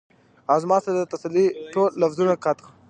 او زما سره د تسلۍ ټول لفظونه قات وو ـ